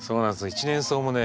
一年草もね